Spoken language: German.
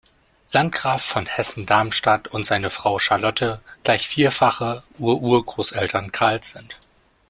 Landgraf von Hessen-Darmstadt und seine Frau Charlotte gleich vierfache Ur-Ur-Großeltern Karls sind.